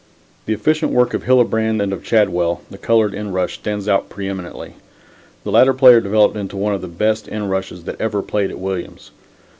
The efficient work of Hillebrand and of Chadwell, the colored end rush, stands out pre eminently. The latter player developed into one of the best end rushes that ever played at Williams.